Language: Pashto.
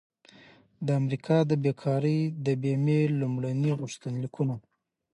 د امریکا د بیکارۍ د بیمې لومړني غوښتنلیکونه